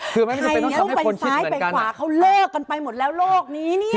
ใครต้องเป็นซ้ายไปขวาเค้าเลิกกันไปหมดแล้วโลกนี้เนี่ย